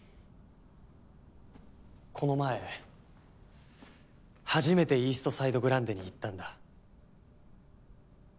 この前初めてイーストサイド・グランデに行ったんだ。